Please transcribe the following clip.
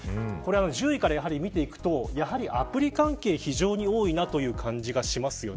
１０位から見ていくとアプリ関係、非常に多いなという感じがしますよね。